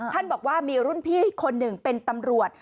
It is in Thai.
บอกว่ามีรุ่นพี่คนหนึ่งเป็นตำรวจ